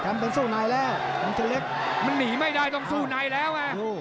มันหนีไม่ได้ตรงสู่ในแล้ว